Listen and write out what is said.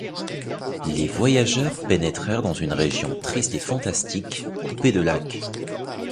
Les voyageurs pénétrèrent dans une région triste et fantastique, coupée de lacs.